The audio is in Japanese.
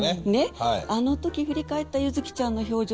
あのとき振り返ったゆづきちゃんの表情